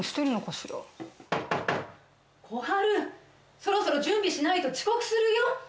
そろそろ準備しないと遅刻するよ。